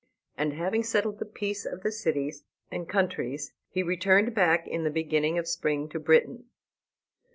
And, having settled the peace of the cities and countries, he returned back in the beginning of spring to Britain.